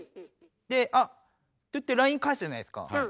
で「あっ」といってＬＩＮＥ返すじゃないですか。